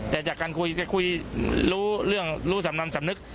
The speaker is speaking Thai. แต่จากการคุยจะคุยรู้เรื่องรู้สำนำสำนึก